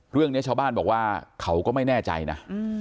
เรื่องนี้ชาวบ้านบอกว่าเขาก็ไม่แน่ใจนะ